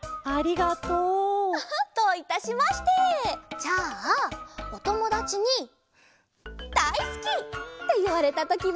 じゃあおともだちに「だいすき」っていわれたときは？